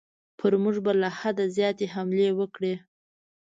پر موږ به له حده زیاتې حملې وکړي.